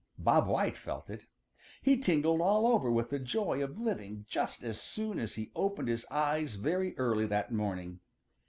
Bob White felt it. He tingled all over with the joy of living just as soon as he opened his eyes very early that morning.